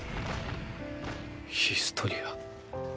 ヒストリア